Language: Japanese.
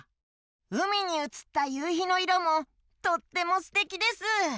うみにうつったゆうひのいろもとってもすてきです！